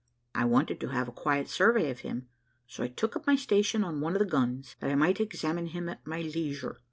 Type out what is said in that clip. I wanted to have a quiet survey of him, so I took up my station on one of the guns, that I might examine him at my leisure.